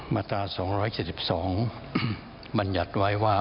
มาตรา๒๗๒บัญญัติไว้ว่า